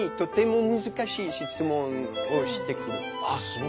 ああそう。